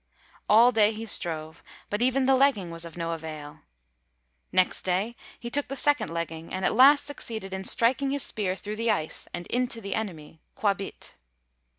All day he strove, but even the legging was of no avail. Next day he took the second legging, and at last succeeded in striking his spear through the ice and into the enemy, Quābīt.